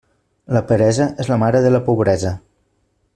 La peresa és la mare de la pobresa.